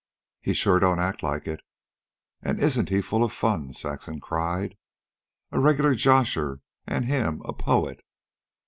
"He sure don't act like it." "And isn't he full of fun!" Saxon cried. "A regular josher. An' HIM! a POET!"